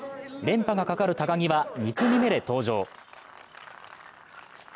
連覇がかかる高木は２組目で登場。